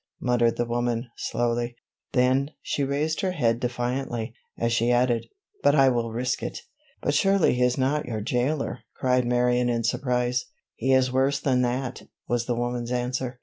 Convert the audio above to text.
muttered the woman slowly, then she raised her head defiantly, as she added, "but I will risk it!" "But surely he is not your jailer," cried Marion in surprise. "He is worse than that," was the woman's answer.